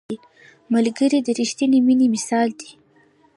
ملګری د رښتیني مینې مثال دی